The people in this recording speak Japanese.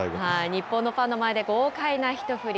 日本のファンの前で豪快な一振り。